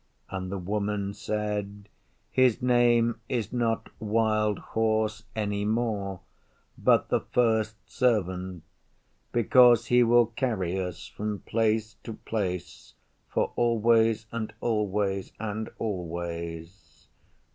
And the Woman said, 'His name is not Wild Horse any more, but the First Servant, because he will carry us from place to place for always and always and always.